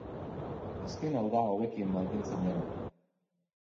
Azken hau da hobekien mantentzen dena.